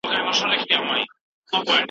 دا ده ميني فـلــسفه يې